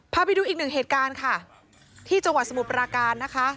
พาไปดูอีกหนึ่งเหตุการณ์ค่ะที่จังหวัดสมุทรปราการนะคะ